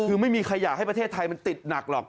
คือไม่มีใครอยากให้ประเทศไทยมันติดหนักหรอก